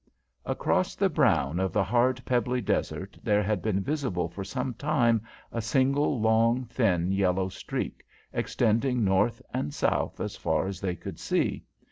Across the brown of the hard, pebbly desert there had been visible for some time a single long, thin, yellow streak, extending north and south as far as they could see.